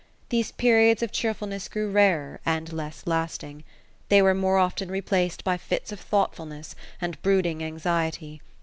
These periods of cheerfulness grew rarer, and less lasting. They were more often replaced by fits of thoughtfulness, and brooding anxiety.